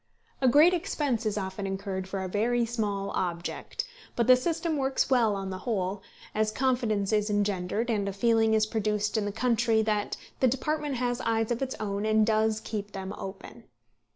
A great expense is often incurred for a very small object; but the system works well on the whole as confidence is engendered, and a feeling is produced in the country that the department has eyes of its own and does keep them open.